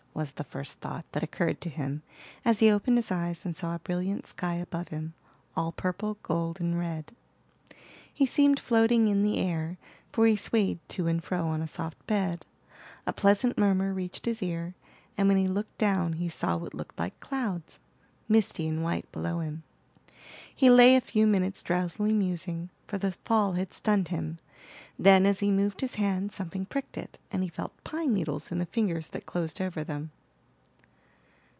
was the first idea that occurred to him as he opened his eyes and saw a brilliant sky above him, all purple, gold, and red. He seemed floating in the air, for he swayed to and fro on a soft bed, a pleasant murmur reached his ear, and when he looked down he saw what looked like clouds, misty and white, below him. He lay a few minutes drowsily musing, for the fall had stunned him; then, as he moved his hand something pricked it, and he felt pine needles in the fingers that closed over them.